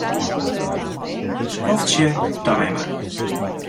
Skoftsje timer.